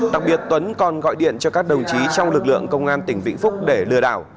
đặc biệt tuấn còn gọi điện cho các đồng chí trong lực lượng công an tỉnh vĩnh phúc để lừa đảo